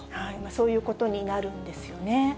そういうことになるんですよね。